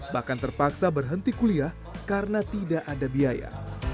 bahkan terpaksa berhenti kuliah karena tidak ada biaya